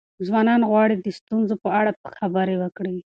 ځوانان غواړي د ستونزو په اړه خبرې وکړي.